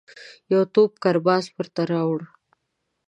یو توپ کرباس ورته راووړ.